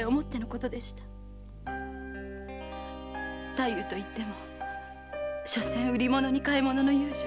太夫と言ってもしょせん売りものに買いものの遊女。